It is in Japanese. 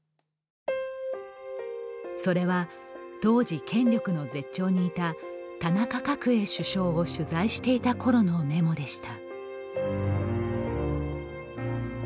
それは、当時、権力の絶頂にいた田中角栄首相を取材していたころのメモでした。